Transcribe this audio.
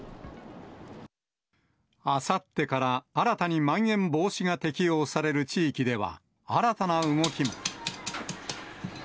あさってから新たにまん延防止が適用される地域では、新たな動きも。